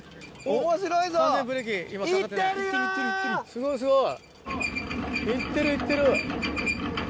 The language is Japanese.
すごいすごい。